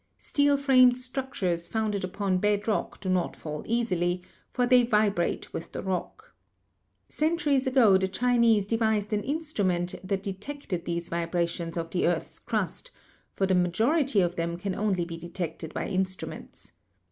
Steel framed structures founded upon bed rock do not fall easily, for they vibrate with the rock. Centuries ago the Chinese devised an instrument that de tected these vibrations of the earth's crust, for the ma jority of them can only be detected by instruments.